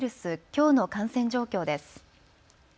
きょうの感染状況です。